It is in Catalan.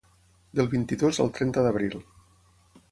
Del vint-i-dos al trenta d’abril.